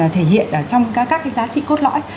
thể hiện trong các giá trị cốt lõi